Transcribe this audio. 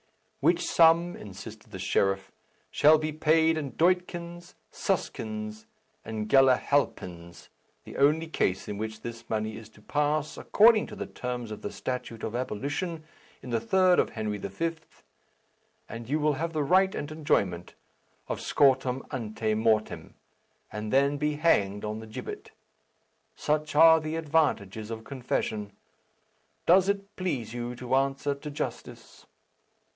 "Which sum," insisted the sheriff, "shall be paid in doitkins, suskins, and galihalpens, the only case in which this money is to pass, according to the terms of the statute of abolition, in the third of Henry V., and you will have the right and enjoyment of scortum ante mortem, and then be hanged on the gibbet. Such are the advantages of confession. Does it please you to answer to justice?"